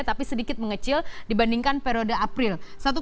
tapi sedikit mengecil dibandingkan periode april